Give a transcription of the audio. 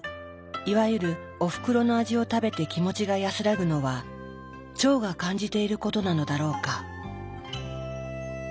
いわゆるおふくろの味を食べて気持ちが安らぐのは腸が感じていることなのだろうか。